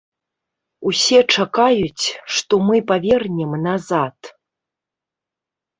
Усе чакаюць, што мы павернем назад.